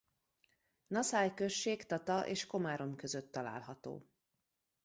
Naszály község Tata és Komárom között található.